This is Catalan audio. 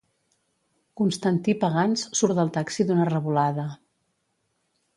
Constantí Pagans surt del taxi d'una revolada.